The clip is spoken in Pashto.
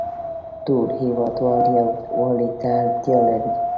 ټول هیوادوال یووالې ته اړتیا لری